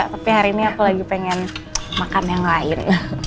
tapi hari ini aku lagi pengen makan yang lain